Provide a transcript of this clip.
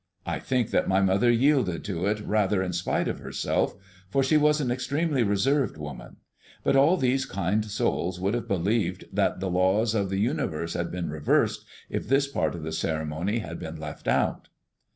I think that my mother yielded to it rather in spite of herself, for she was an extremely reserved woman; but all these kind souls would have believed that the laws of the universe had been reversed if this part of the ceremony had been left out.